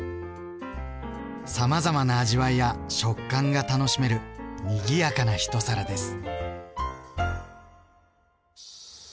さまざまな味わいや食感が楽しめるにぎやかな一皿です。